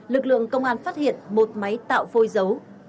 lực lượng công an phát hiện một máy tạo phôi dấu